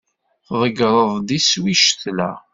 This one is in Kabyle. Tneǧǧreḍ-d iswi i ccetla.